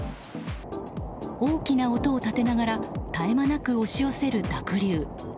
大きな音を立てながら絶え間なく押し寄せる濁流。